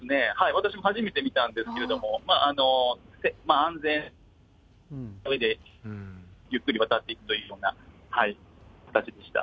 私も初めて見たんですけれども、安全で、ゆっくり渡っていくというような形でした。